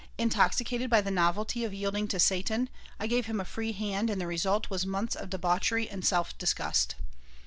Intoxicated by the novelty of yielding to Satan, I gave him a free hand and the result was months of debauchery and self disgust.